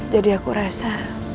jadi aku rasa